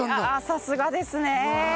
さすがですね。